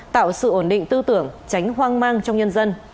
tạo sự ổn định tư tưởng tránh hoang mang trong nhân dân